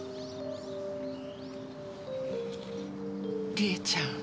理恵ちゃん。